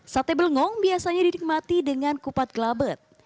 sate belengong biasanya didikmati dengan kupat gelabet